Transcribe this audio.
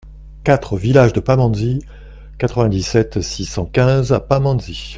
quatre vILLAGE DE PAMANDZI, quatre-vingt-dix-sept, six cent quinze à Pamandzi